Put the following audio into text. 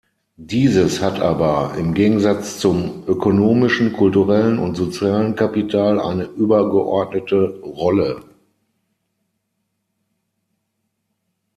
Dieses hat aber, im Gegensatz zum ökonomischen, kulturellen und sozialen Kapital, eine übergeordnete Rolle.